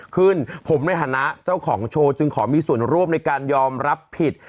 ขึ้นผมในฐานะเจ้าของโชว์จึงขอมีส่วนร่วมในการยอมรับผิด